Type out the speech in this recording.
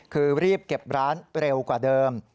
คือรีบเก็บร้านเร็วกว่าเดิม